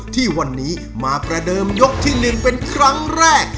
ที่วันนี้มาประเดิมยกที่๑เป็นครั้งแรก